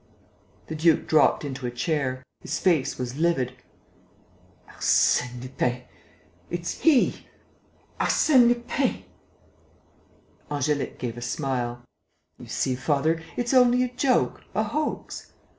The duke dropped into a chair. His face was livid. "Arsène Lupin ... it's he ... Arsène Lupin...." Angélique gave a smile: "You see, father, it's only a joke, a hoax."